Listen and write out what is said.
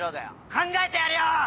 考えてやるよ！